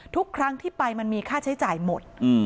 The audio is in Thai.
ทุกครั้งที่ไปมันมีค่าใช้จ่ายหมด